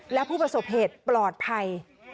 และผู้ประสบเหตุปลอดภัย